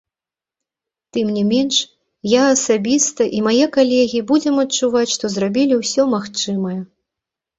Тым не менш, я асабіста і мае калегі будзем адчуваць, што зрабілі ўсё магчымае.